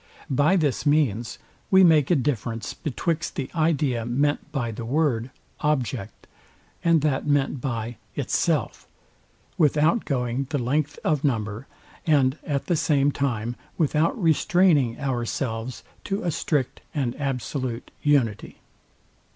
By this means we make a difference, betwixt the idea meant by the word, OBJECT, and that meant by ITSELF, without going the length of number, and at the same time without restraining ourselves to a strict and absolute unity.